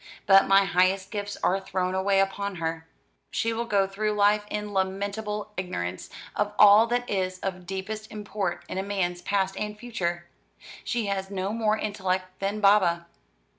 But my highest gifts are thrown away upon her. She will go through life in lamentable ignorance of all that is of deepest import in man's past and future. She has no more intellect than Baba."